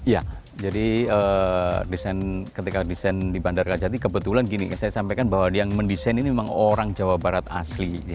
ya jadi ketika desain di bandar kacati kebetulan gini saya sampaikan bahwa yang mendesain ini memang orang jawa barat asli